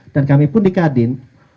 dan kami pun di kadin